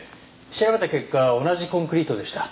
調べた結果同じコンクリートでした。